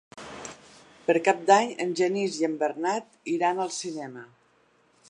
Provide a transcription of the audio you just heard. Per Cap d'Any en Genís i en Bernat iran al cinema.